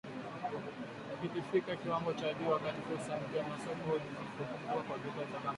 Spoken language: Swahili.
ilifikia kiwango cha juu, wakati fursa mpya za masoko zilipofunguka kwa bidhaa za Kampala